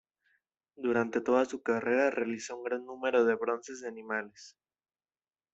Durante toda su carrera realizó un gran número de bronces de animales.